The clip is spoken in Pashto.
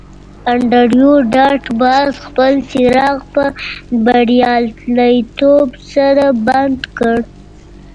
انډریو ډاټ باس خپل څراغ په بریالیتوب سره بند کړ